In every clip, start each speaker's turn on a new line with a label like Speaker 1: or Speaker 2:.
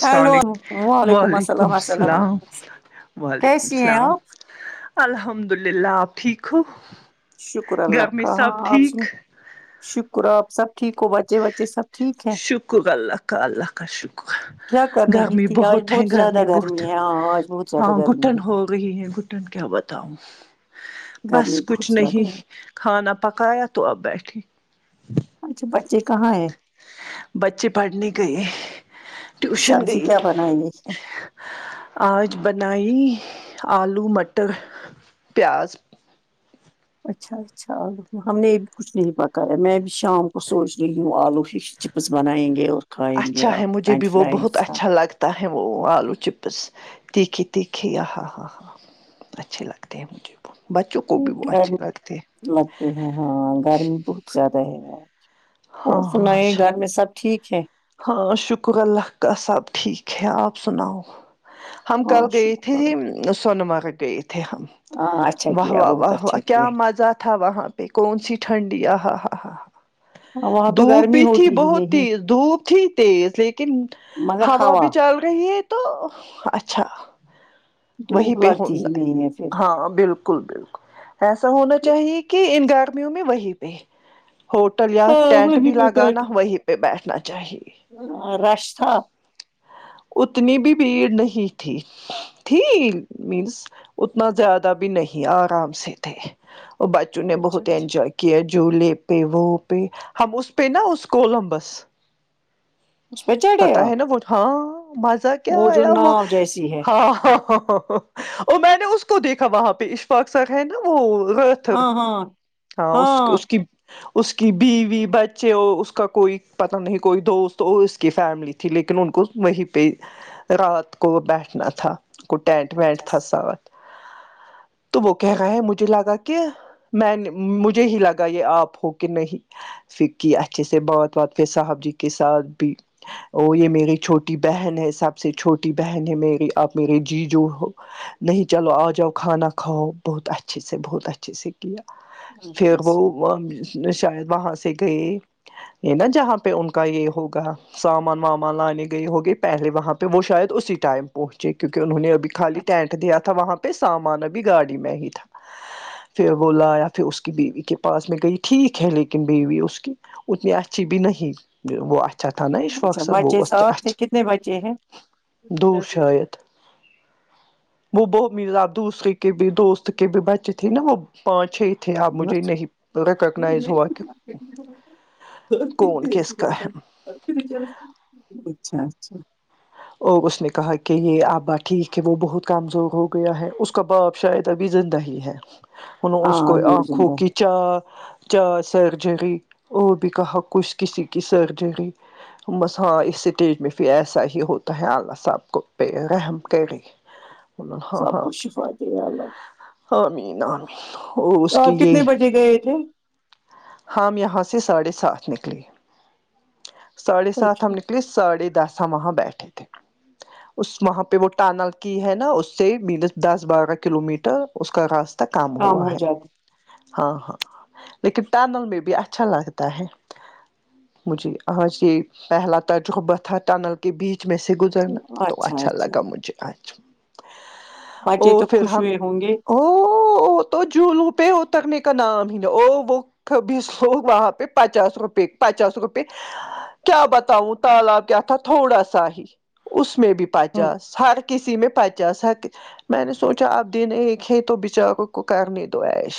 Speaker 1: السلام
Speaker 2: ہیلو
Speaker 1: علیکم و
Speaker 2: وعلیکم
Speaker 1: ععلیکم
Speaker 2: السلام
Speaker 1: السلام
Speaker 2: علیکم
Speaker 1: و ععلیکم
Speaker 2: کیسی ہیں
Speaker 1: السلام
Speaker 2: آپ
Speaker 1: الحمد للہ آپ ٹھیک ہو
Speaker 2: شکر
Speaker 1: گھر
Speaker 2: اللہ
Speaker 1: میں
Speaker 2: کا
Speaker 1: سب
Speaker 2: ہاں آپ
Speaker 1: ٹھیک
Speaker 2: سنہ شکر آپ سب ٹھیک ہو بچے بچے سب ٹھیک ہے
Speaker 1: شکر اللہ کا اللہ کا شکر
Speaker 2: کیا کر رہی
Speaker 1: گرمی
Speaker 2: تھی آج
Speaker 1: بہت ہے
Speaker 2: زیادہ
Speaker 1: گرمی بہت
Speaker 2: ہے ہاں آج بہت زیادہ
Speaker 1: ہاں
Speaker 2: گرمی
Speaker 1: گٹن
Speaker 2: ہے
Speaker 1: ہو رہی ہے گٹن کیا بات بتا بس
Speaker 2: گرمی
Speaker 1: کچھ
Speaker 2: بہت زیادہ
Speaker 1: نہیں
Speaker 2: ہے
Speaker 1: کھانا پکایا تو اب بیٹھی
Speaker 2: اچھے بچے کہاں ہے
Speaker 1: بچے پڑھنے گئے ہے ٹیوشن
Speaker 2: سبزی
Speaker 1: گئی
Speaker 2: کیا بنائیے
Speaker 1: آج بنائی آلو مٹر پیاز
Speaker 2: اچھاچ اچھال ہم نے بھی کچھ نہیں پکایا میں بھی شام کو سوچ رہی ہوں آلو ف چپس بنائیں گے اور کھائیں گے
Speaker 1: اچھا ہے
Speaker 2: آپ
Speaker 1: مجھے بھی
Speaker 2: فرینچ
Speaker 1: وہ بہت
Speaker 2: فرائز ہاں
Speaker 1: اچھا لگتا اتا ہے وہ آلو چپس تیکھی تیکھی آہا ہا ہاں اچھے لگتے ہیں مجھے وہ بچوں کو بھی وہ اچھے
Speaker 2: گرمی
Speaker 1: لگتے ہیں
Speaker 2: لگتے ہیں ہاں گرمی بہت زیادہ ہے آج اور
Speaker 1: ہاں ہاں
Speaker 2: سنائی گھر میں سب ٹھیک ہے
Speaker 1: ہاں شکر اللہ کا صحب ٹھیک ہے آپ سناؤ ہم
Speaker 2: ہاں
Speaker 1: کل گئے
Speaker 2: شکر
Speaker 1: تھے
Speaker 2: اللہ کا
Speaker 1: سون مرگ گئے تھے ہم
Speaker 2: ہاں اچھا
Speaker 1: واہ
Speaker 2: کیا
Speaker 1: واہ
Speaker 2: بہت
Speaker 1: واہ و
Speaker 2: اچھا
Speaker 1: کیا مزہ تھا وہاں پہ کون سی ٹھنڈی آ ہ ہ ہ
Speaker 2: ہاں، وہاں تو
Speaker 1: دھوپ
Speaker 2: گرمی
Speaker 1: بھی تھی
Speaker 2: ہوگی ہی
Speaker 1: بہت
Speaker 2: نہیں
Speaker 1: تیز دھوپ تیز لیکن ہوا بھی چل رہی ہے تو اچھا وہیں
Speaker 2: دھوپ
Speaker 1: پہ ہو
Speaker 2: لگتی ہی
Speaker 1: ہے
Speaker 2: نہیں پھر
Speaker 1: ہاں بالکل بالکل بالکل ایسا ہونا چاہیے کہ ان گرمیوں میں وہیں پہ ہوٹل یا
Speaker 2: ہاں
Speaker 1: ٹینٹ
Speaker 2: وہی
Speaker 1: بھی
Speaker 2: میں بیٹھ
Speaker 1: لگانا وہیں پہ بیٹھنا چاہیے
Speaker 2: رش تھا
Speaker 1: اتنی بھی بھیڑ نہیں تھی تھی مینس اتنا زیادہ بھی نہیں آرام سے تھے اور بچوں نے
Speaker 2: اچھا
Speaker 1: بہت
Speaker 2: اچھا
Speaker 1: انجوائے کیا جھو لے پہ وہ پہ ہم اس پہ نا اس کولمبس
Speaker 2: اس پہ چڑھے
Speaker 1: پتا
Speaker 2: آپ
Speaker 1: ہے نا وہ تھا مزہ کیا
Speaker 2: جو
Speaker 1: آیا وہ
Speaker 2: ناؤ جیسی ہے
Speaker 1: ہاں ہ ہ میں نے اس کو دیکھا وہاں پہ اشفاق سر ہے نا وہ ہاں اس
Speaker 2: ہاں
Speaker 1: اس کی اس کی بیوی بچے ہو اس کا کوئی پتا نہیں کوئی دوست ہو اس کی فیملی تھی تھی لیکن ان کو وہیں رات کو وہ بیٹھنا تھا کو ٹینٹ وینٹ
Speaker 2: اچھا
Speaker 1: تھا سور تو وہ کہہ رہے ہیں مجھے لگا کہ میں نے مجھے ہی لگا یہ آپ ہو کہ نہیں فر کی اچھے سے بات بات پھر صاحب جی کے ساتھ بھی وہ یہ میری چھوٹی بہن ہے سب سے چھوٹی بہن ہے میری آپ میرے جی جو ہو نہیں چلو آ جاؤ کھانا کھاؤ بہت اچھے سے بہت اچھے سے کیا پھر
Speaker 2: اچھا
Speaker 1: وہ شاید وہاں سے گئے یہ نا جہاں پہ ان کا یہ ہوگا سامان وامان لانے گئی ہوگی پہلے وہاں پہ وہ شاید اسی ٹائم پہنچے کیونکہ انہوں نے ابھی خالی
Speaker 2: اچھا
Speaker 1: ٹائم دیا تھا وہاں پہ سامان ابھی گاڑی میں ہی تھا پھر وہ لایا پھر اس کی بیوی کے پاس میں گئی ٹھیک ہے لیکن بیوی اس کی اتنی اچھی بھی نہیں وہ اچھا تھا نا اشفق
Speaker 2: اچھا
Speaker 1: صا وہ
Speaker 2: بچے ساتھ تھے
Speaker 1: اچ
Speaker 2: کتنے بچے ہیں
Speaker 1: دو شائید وہ بہت ملا دوسرے کے بھی دوست کے بھی بچے تھے نا وہ پانچ چھ ہی تھے اب مجھے
Speaker 2: بس۔
Speaker 1: نہیں ریکاگنائز ورک کون کس کا ہے
Speaker 2: اچھا اچھا
Speaker 1: اور اس نے کہا کہ یہ آبا ٹھیک ہے وہ بہت کامزور ہو گیا ہے اس کا بعد شاید ابھی زندہ ہی ہے انوں اس
Speaker 2: ہاں
Speaker 1: کو
Speaker 2: یوں
Speaker 1: آنکھوں
Speaker 2: زندہ
Speaker 1: کی
Speaker 2: ہے
Speaker 1: چا چار سرجری اور بھی کہا کچھ کسی کی سرجری ہم بس ہاں اس سٹیج میں پھر ایسا ہی ہو تو ہے اللہ صاحب کو رحیم کرے بولا ہاں
Speaker 2: سب
Speaker 1: ہاں
Speaker 2: کو شفا دے یا اللہ
Speaker 1: امین امین اور اس
Speaker 2: تو
Speaker 1: کی
Speaker 2: آپ
Speaker 1: یہ
Speaker 2: کتنے بجے گئے کو
Speaker 1: ہم یہاں سے ساڑھے سات نکلیے ساڑھے سات ہم
Speaker 2: اچھا
Speaker 1: نکلے ساڑھے دس ہم وہاں بیٹھے تھے اس وہاں پہ وہ ٹانل کی ہے نا اس سے مینز دس بارہ کلو میٹر اس کا راستہ تا کام ہوا ہے ہاں ہاں لیکن ٹنل میں بھی اچھا لگتا ہے مجھے آج یہ پہلا تجربہ تھا ٹنل کے بیچ میں سے گز تو اچھا لگا مجھے اچھا
Speaker 2: بچے
Speaker 1: اور
Speaker 2: تو
Speaker 1: پھر
Speaker 2: خوش
Speaker 1: ہم
Speaker 2: ہوئے ہوں گے
Speaker 1: ہو تو جولوں پہ اترنے کا نام ہی نا او وہ خبیث لوگ وہاں پہ پچاس روپئے پچاس روپئے کیا بتاؤ تالا کیا تھا تھوڑا سا ہی اس میں بھی
Speaker 2: ہوں
Speaker 1: پچاس ہر کسی میں پچاس ہر میں نے سوچا اپ دن ایک ہے تو بچاروں کو کرنے دو ایش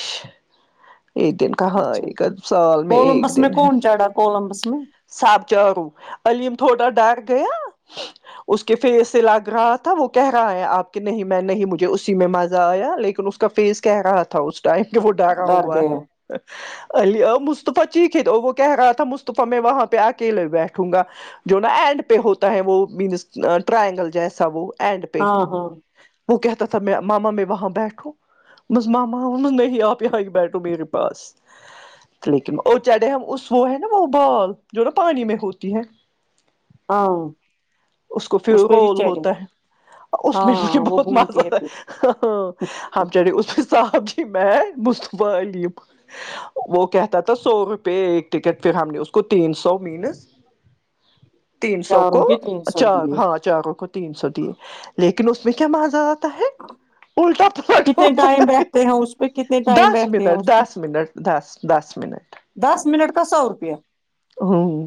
Speaker 1: ایک دن کہاں
Speaker 2: اچھا
Speaker 1: ایک
Speaker 2: اچھا۔
Speaker 1: سال میں ایک
Speaker 2: کولمبس میں
Speaker 1: دن ہے
Speaker 2: کون چڑھا کولمبس میں
Speaker 1: سب چارو علیلم تھوڑا ڈر گیا اس کے فیس سے لگ رہا تھا وہ کہہ رہا ہے آپ کہ نہیں میں نہیں مجھے اسی میں مزہ آیا لیکن اس کا فیس کہہ رہا تھا اس ٹائم کہ وہ ڈرا
Speaker 2: ڈر
Speaker 1: ہوا ہے
Speaker 2: گیا
Speaker 1: الی ع مصطفی چیکے گا وہ کہہ رہا تھا مصطفی میں وہاں پہ اکیلے بیٹھوں گا جو نا اینڈ پہ ہوتا ہے وہ مینس ٹرائینگل جیسا وہ اینڈ پہ
Speaker 2: ہاں ہاں
Speaker 1: وہ کہتا تھا میں ماما میں وہاں بیٹھوں بس ماما واما نہیں آپ یہاں ہی بیٹھو میرے پاس لیکن اور چڑھے ہم اس وہ ہے نا وہ بال جو نا پانی میں ہوتی ہے
Speaker 2: ہاں
Speaker 1: اس کو پھر
Speaker 2: پہ بھی
Speaker 1: غول
Speaker 2: چڑھے
Speaker 1: ہوتا ہے اس میں مجھے
Speaker 2: ہاں وہ
Speaker 1: بہت مزہ
Speaker 2: گھومتی
Speaker 1: آتا
Speaker 2: پھر
Speaker 1: ہے ہ ہم چڈے اس کے ساتھ ہی میں [unintelligible] وہ کہتا تھا سو روپئے ایک ٹکٹ پھر ہم نے اس کو تین سو مینس تین سو
Speaker 2: چاروں
Speaker 1: کو
Speaker 2: کے تین سو
Speaker 1: چار
Speaker 2: دیے
Speaker 1: ہاں چاروں کو تین سو دیے لیکن اس میں کیا مزا آ ہوتا ہے
Speaker 2: کتنے
Speaker 1: الٹھا
Speaker 2: ٹائم
Speaker 1: [unintelligible]
Speaker 2: بیٹھتے ہیں اس پہ کتنے ٹائم
Speaker 1: دس
Speaker 2: بیٹھتے ہیں
Speaker 1: منٹ
Speaker 2: اس پہ
Speaker 1: دس منٹ دس دس منٹ
Speaker 2: دس منٹ کا سو روپیہ
Speaker 1: ہوں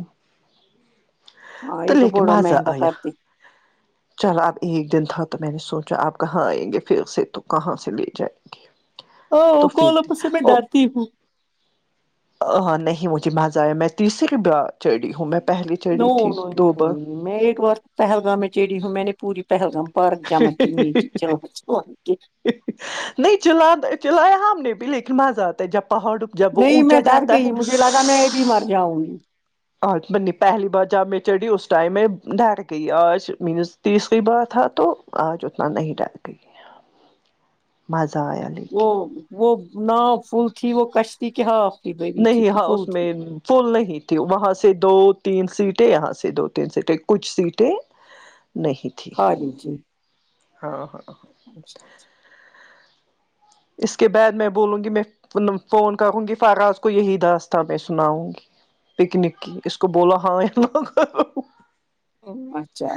Speaker 2: ہاں یہ تو بوڑا مہنگا کردی
Speaker 1: چل اب ایک دن تھا تو میں نے سوچا آپ کہاں آئیں گے پھر سے تو کہاں سے لے جائیں گے
Speaker 2: ہاں
Speaker 1: تو پھر
Speaker 2: [unintelligible] سے میں
Speaker 1: او
Speaker 2: ڈرتی ہوں
Speaker 1: نہیں مجھے مزہ آیا میں تیسری بار چڑھی ہوں میں پہلے
Speaker 2: نو
Speaker 1: چڑھی ہوں دو
Speaker 2: نو
Speaker 1: بار
Speaker 2: میں ایک بار پہلگام میں چیڑی ہوں میں نے پوری پہلگام پارک جمع کی [unintelligible]
Speaker 1: نہیں چلا چلایا ہم نے بھی لیکن مزہ آتا ہے جب پہاڑ جب وہ
Speaker 2: نہیں
Speaker 1: اونچا
Speaker 2: میں ڈر
Speaker 1: جاتا ہے
Speaker 2: گئی مجھے لگا میں بھی مر جاؤں گی
Speaker 1: آج مینے پہلی بار جب میں چڑھی اس ٹائم میں ڈار گئی آج مینس تیسری بات ہیتو آج اتنا نہیں ڈا مزہ آیا
Speaker 2: وہ
Speaker 1: لیکن
Speaker 2: وہ نا فل تھی وہ کشتی کہ ہاف تھی برنی تھی
Speaker 1: نہیں
Speaker 2: تو
Speaker 1: ہاں
Speaker 2: فل
Speaker 1: اس
Speaker 2: تھی
Speaker 1: میں فل نہیں تھی وہاں سے دو تین سیٹیں یہاں سے دو تین سیٹیں کچھ سیٹیں نہیں تھی
Speaker 2: ہاں جی
Speaker 1: ہاں ہاں ہاں
Speaker 2: اچھا اچھا
Speaker 1: اس کے بعد میں بولوں گی میں فون کروں گی فراز کو یہی داستہ میں سناؤں گی پکنک کی اس کو بولو ہاں لو
Speaker 2: اچھا اچھا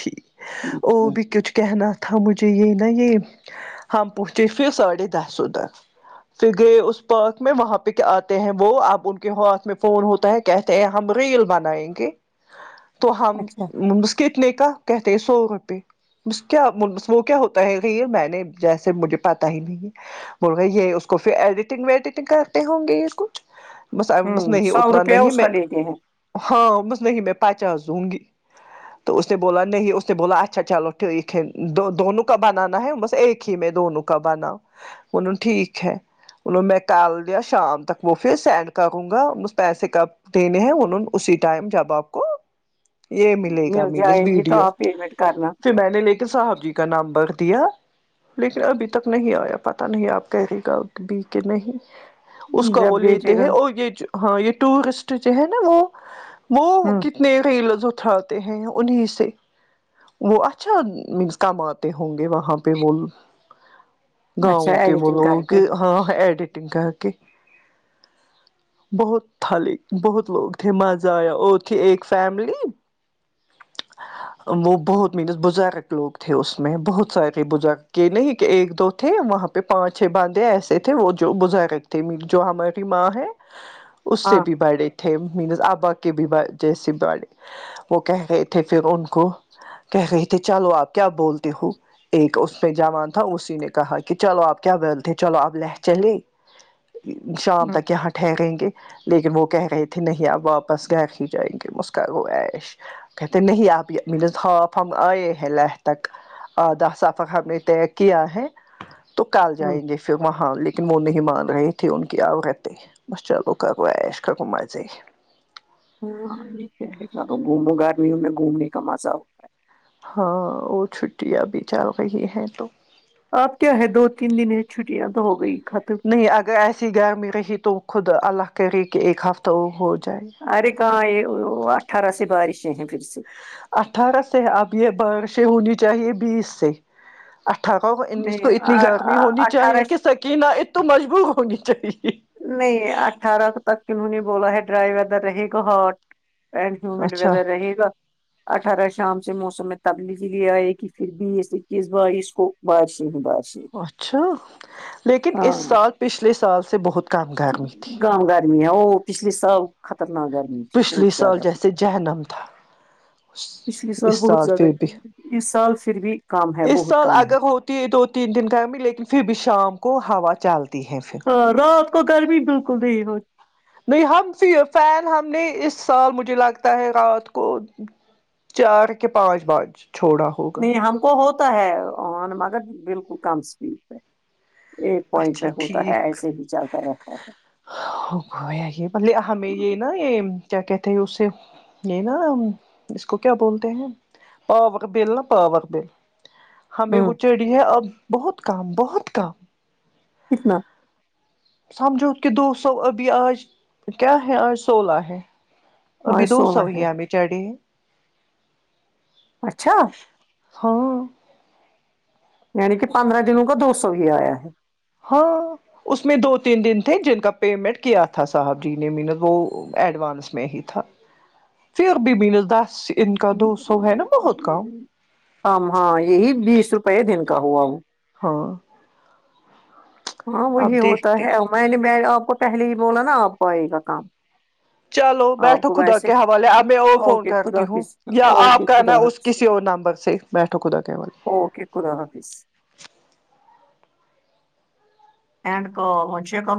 Speaker 1: ٹھیک
Speaker 2: ٹھیک
Speaker 1: او
Speaker 2: ہے
Speaker 1: بھی کچھ کہنا تھا مجھے یہ نہ یہ پونچے پھر ساڑے دہ سو تر پھر گئے اس پارک میں وہاں پہ آتے ہیں وہ اب ان کے ہاتھ میں فون ہوتا ہے کہتے ہیں ہم ریل بنائیں گے تو ہم
Speaker 2: اچھا
Speaker 1: اس کتنے کا کہتے ہیں سو روپے کیا وہ کیا ہوتا ہے ریل میں نے جیسے مجھے پتا ہی نہیں بولرہے یہ اس کو پھر ایڈیٹنگ ویڈیٹنگ کرتے ہوں گے یہ کچھ بس بس
Speaker 2: ہوں
Speaker 1: نہیں
Speaker 2: سو
Speaker 1: اتنا
Speaker 2: روپیہ
Speaker 1: نہیں
Speaker 2: اس
Speaker 1: میں
Speaker 2: کا لیتے ہیں
Speaker 1: ہاں بس نہیں میں پچاس دوں گی تو اس نے بولا نہیں اس نے بولا اچھا چلو ٹھیک ہے دو دونوں کا بنانا ہے بس ایک کے میں دونوں کابناؤ انونے ٹھیک ہے بولو میں کل یا شام تک وہ پھر سینڈ کروں گا اس پیسے کا دینے ہیں انہوں اسی ٹائم جب آپ کو یہ ملے گا
Speaker 2: مل
Speaker 1: ملز
Speaker 2: جائے گی تو
Speaker 1: ویڈیو
Speaker 2: آپ پیمنٹ کرنا
Speaker 1: پھر میں نے لے کے صاحب جی کا نام بکھ دیا لیکن ابھی تک نہیں آیا پتا نہیں آپ کہہ دے گا بھی کہ نہیں اس کا
Speaker 2: جب
Speaker 1: وہ لیتے
Speaker 2: بیچے گا
Speaker 1: ہیں اور یہ ہاں یہ ٹورسٹ جو ہے نا وہ وہ
Speaker 2: ہ
Speaker 1: کت نے ریلز اتھراتے ہیں انہیں سے وہ اچھا مینس کماتے ہوں گے وہاں پہ وہول
Speaker 2: اچھا
Speaker 1: گاؤں کے
Speaker 2: ایڈیٹنگ
Speaker 1: بولو
Speaker 2: کر کے
Speaker 1: کہ ہاں ایڈیٹنگ کر کے بہت تھالی بہت لوگ تھے مزہ آیا اور تھے ایک فیملی وہ بہت مینس بزرگ لوگ تھے اس میں بہت سارے بر کے نہیں کہ ایک دو تھے وہاں پہ پانچ چھ بندے ایسے تھے وہ جو بزر ت جو ہماری ماں ہے اس سے
Speaker 2: ہاں
Speaker 1: بھی بڑے تھے مینز ابا کے بھی جیسے بڑے وہ کہہ گئے تھے پھر ان کو کہہ رہے تھے چلو آپ کیا بولتے ہو ایک اس پ جوان تھا اسی نے کہا کہ چلو آپ کیا بل تھے چلو آپ لے چلے شام
Speaker 2: ہ
Speaker 1: تک کیا ہٹ ٹھہریں گے لیکن وہ کہہ رہے تھے نہیں آپ واپس گھر ہی جائیں گے مسک گو اییش کہتے نہیں آپ مل ہاف ہم آئے ہیں لہ تک آدھا سفق ہم نے طے کیا ہے تو کل
Speaker 2: ہ
Speaker 1: جائیں گے پھر وہاں لیکن وہ نہیں مان رہے تھے ان کی عورتے بس چلو کرو ایش کرو مزے
Speaker 2: ہاں گومو گرمیوں میں گھومنے کا مزہ ہو
Speaker 1: ہاں وہ چھٹیاں بھی چل رہی ہیں تو
Speaker 2: اپ کیا ہے دو تین دن چھٹیاں تو ہو گئی ختم
Speaker 1: نہیں اگر ایسی گرمی رہی تو خود اللہ کرے کہ ایک ہفتہ وہ ہو جائے
Speaker 2: ارے کہاں یہ اٹھارہ سے بارشیں ہیں پھر سے
Speaker 1: اٹھارہ سے اب یہ بارشے ہونی چاہیے بیس سے اٹھارہ کو انیس کو
Speaker 2: نہیں
Speaker 1: اتنی گرمی ہونی چاہیے
Speaker 2: اٹھارہ
Speaker 1: کہ س کی نہ ا تو مجبور ہوں گی چاہیے
Speaker 2: نہیں اٹھارہ تک کنوں نہیں بولا ہے ڈرائی ویدر رہے گا ہواٹ این ہیڈ
Speaker 1: اچھا
Speaker 2: ویدر رہے گا اٹھارہ شام سے موسم میں تبلیغ یہ آئے کہ پھر بیس اکیس بائیس کو بارش ہی بارش
Speaker 1: اچھا لیکن اس سال پچھلے سال سے بہت کم گرمی تھی
Speaker 2: گاں گرمی ہے وہ پچھلے سال خطرناک گرمی تھی بہت
Speaker 1: پچھلے سال
Speaker 2: زیادہ
Speaker 1: جیسے جہنم تھا
Speaker 2: پچھلے
Speaker 1: اس
Speaker 2: سال بہت زیادہ
Speaker 1: پھر بھی
Speaker 2: گرمی تھی اس سال پھر بھی کم ہے
Speaker 1: اس
Speaker 2: بہت
Speaker 1: سال
Speaker 2: کم ہے
Speaker 1: اگر ہوتی ہے دو تین دن گرمی لیکن پھر بھی شام کو ہوا چلتی ہے پھر
Speaker 2: ہاں رات کو گرمی بالکل د ہو
Speaker 1: نہیں ہم فین ہم نے اس سال مجھے لگتا ہے رات کو چار کے پانچ بانچ چھوڑا ہوگا
Speaker 2: نہیں ہم کو ہوتا ہے مگر بالکل کم اسپیڈ پہ ایک پوائنٹ
Speaker 1: اچھا
Speaker 2: پ ہوتا ہے ایسے بھی چلتا رہتا ہے
Speaker 1: گ یہ بے ہمیں یہ نا یہ کیا کہتے ہیں اسے یہ نا اس کو کیا بولتے ہیں پاور بل نہا پاور بل ہمیں وہ
Speaker 2: ہوں
Speaker 1: چڑھی ہے اب بہت کم بہت کم
Speaker 2: کتنا
Speaker 1: سمجھو کہ دو سو ابھی آج کیا ہے آج سولہ ہے اب [unintelligible]
Speaker 2: آج
Speaker 1: دوو س ہو
Speaker 2: سولہ ہے
Speaker 1: ہم چ ڈی
Speaker 2: اچھا
Speaker 1: ہاں
Speaker 2: یعنی کہ پندرہ دنوں کا دو سو ہی آیا ہے
Speaker 1: ہاں اس میں دو تین دن تھے جن کا پیمنٹ کیا تھا صاحب جی نے مین وہ ایڈوانس میں ہی تھا تھا پھر بھی مینس دس ان کا دو سو ہے نا بہت کم
Speaker 2: کم ہاں یہی بیس روپے دن کا ہوا
Speaker 1: ہاں
Speaker 2: ہاں
Speaker 1: آپ
Speaker 2: وہی ہوتا
Speaker 1: دیکھتے
Speaker 2: ہے میں نے میں آپ کو پہلے ہی بولا نا آپ کو آئے گا کام
Speaker 1: چلو
Speaker 2: آپ
Speaker 1: بیٹھو
Speaker 2: کو
Speaker 1: خدا
Speaker 2: ویسے
Speaker 1: کے حوالے اب میں اور فون
Speaker 2: اوکے خدا
Speaker 1: کرتی ہوں
Speaker 2: حافظ
Speaker 1: یا
Speaker 2: اوکے
Speaker 1: آپ کرنا
Speaker 2: خدا
Speaker 1: اس
Speaker 2: حافظ
Speaker 1: کسی اور نمبر سے بیٹھو خدا کے حوالے
Speaker 2: اوکے خدا حافظ اینڈ کو مجھے کو